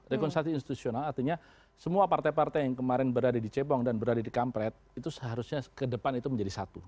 rekonsiliasi institusional artinya semua partai partai yang kemarin berada di cepong dan berada di kampret itu seharusnya ke depan itu menjadi satu